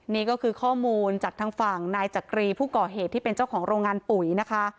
นี่ก็คือข้อมูลจากทางฝั่งนายจักรีผู้ก่อเหตุที่เป็นเจ้าของโรงงานปุ๋ยนะคะ